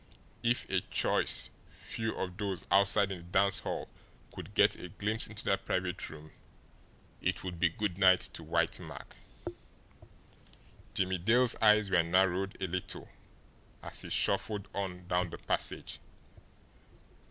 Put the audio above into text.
If a choice few of those outside in the dance hall could get a glimpse into that private room it would be "good night" to Whitey Mack. Jimmie Dale's eyes were narrowed a little as he shuffled on down the passage.